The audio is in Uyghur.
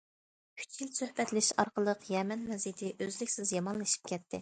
ئۈچ يىل سۆھبەتلىشىش ئارقىلىق يەمەن ۋەزىيىتى ئۈزلۈكسىز يامانلىشىپ كەتتى.